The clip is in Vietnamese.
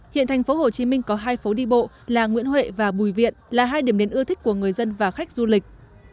hiện tp hcm có hai phố đi bộ là nguyễn huệ và bùi viện là hai điểm đến ưa thích của người dân và khách du lịch